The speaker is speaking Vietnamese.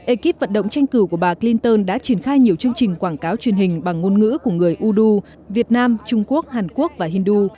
ekip vận động tranh cử của bà clinton đã triển khai nhiều chương trình quảng cáo truyền hình bằng ngôn ngữ của người uru việt nam trung quốc hàn quốc và hydu